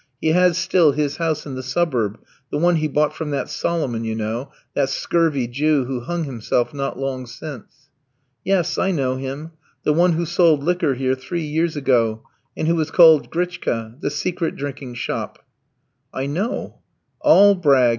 He has still his house in the suburb, the one he bought from that Solomon, you know, that scurvy Jew who hung himself not long since." "Yes, I know him, the one who sold liquor here three years ago, and who was called Grichka the secret drinking shop." "I know." "All brag.